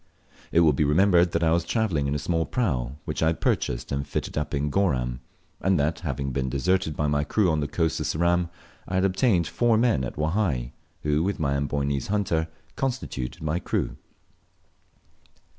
It will be remembered that I was travelling in a small prau, which I had purchased and fitted up in Goram, and that, having been deserted by my crew on the coast of Ceram, I had obtained four men at Wahai, who, with my Amboynese hunter, constituted my crew.